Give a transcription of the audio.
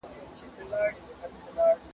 اسلام د مشرکانو ديني تګلاره شرک وبلله.